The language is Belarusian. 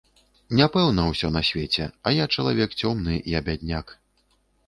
Няпэўна ўсё на свеце, а я чалавек цёмны, я бядняк.